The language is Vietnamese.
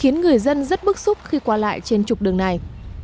khiến người dân rất bức xúc khi qua lại trên trục đường này